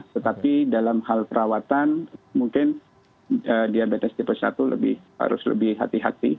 tetapi dalam hal perawatan mungkin diabetes tipe satu harus lebih hati hati